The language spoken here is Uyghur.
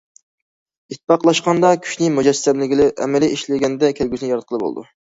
ئىتتىپاقلاشقاندا كۈچنى مۇجەسسەملىگىلى، ئەمەلىي ئىشلىگەندە كەلگۈسىنى ياراتقىلى بولىدۇ.